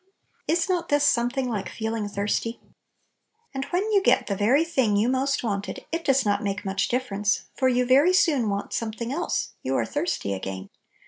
Is not this something like feel ing thirsty? And when you get the very thing you most wanted, it does not make much 78 Little Pillows. difference, for you very soon want some thing else; you are "thirsty" again.